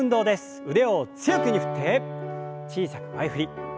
腕を強く振って小さく前振り。